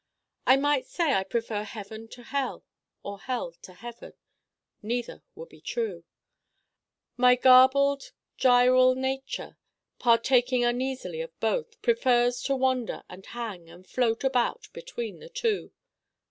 I might say I prefer heaven to hell or hell to heaven. Neither would be true. My garbled gyral nature, partaking uneasily of both, prefers to wander and hang and float about between the two.